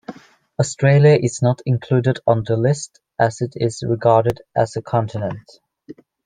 Australia is not included on the list as it is regarded as a continent.